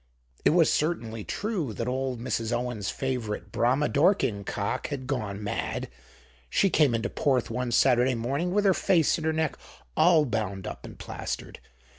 It was certainly true that old Mrs. Owen's favorite Brahma Dorking cock had gone mad; she came into Porth one Saturday morning with her face and her neck all bound up and plastered.